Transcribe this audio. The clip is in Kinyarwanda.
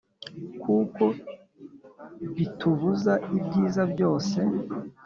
Kuko bitubuza ibyiza byose